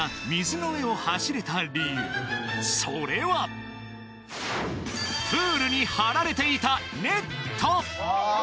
それはプールに張られていたネット